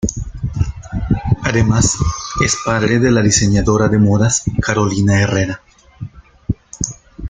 Además es padre de la diseñadora de modas Carolina Herrera.